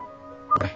えっ！